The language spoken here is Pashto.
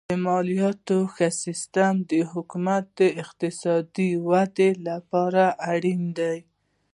د مالیاتو ښه سیستم د حکومت د اقتصادي ودې لپاره اړین دی.